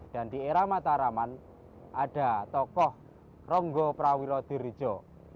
dan di era mataraman ada tokoh ronggo prawilo dirijo